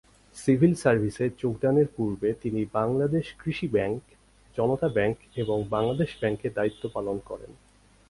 Civil সার্ভিসে যোগদানের পূর্বে তিনি বাংলাদেশ কৃষি ব্যাংক, জনতা ব্যাংক এবং বাংলাদেশ ব্যাংকে দায়িত্ব পালন করেন।